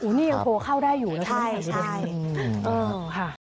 อุณีโทรเข้าได้อยู่แล้วใช่ไหมครับอืมค่ะ